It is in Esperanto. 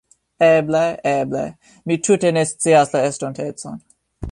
Eble, eble. Mi tute ne scias la estontecon